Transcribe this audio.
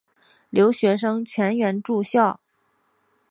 留学生全员住校。